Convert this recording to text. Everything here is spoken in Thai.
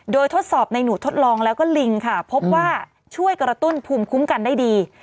โดยทดสอบในหนูทดลองแล้วก็ลิงค่ะพบว่าช่วยกระตุ้นภูมิคุ้มกันได้ดี